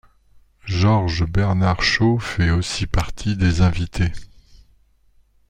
George Bernard Shaw fait aussi partie des invités.